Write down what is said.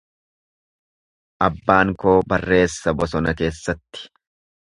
Abbaan koo barreessa bosona keessatti.